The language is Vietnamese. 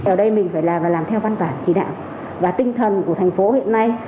ở đây mình phải làm và làm theo văn bản chỉ đạo và tinh thần của thành phố hiện nay